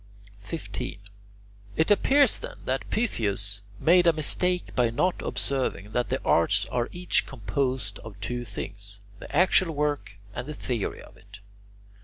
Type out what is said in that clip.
15. It appears, then, that Pytheos made a mistake by not observing that the arts are each composed of two things, the actual work and the theory of it.